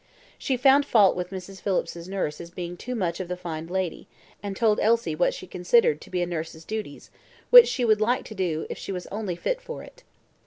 She found fault with Mrs. Phillips's nurse as being too much of the fine lady, and told Elsie what she considered to be a nurse's duties, which she would like to do if she was only fit for it.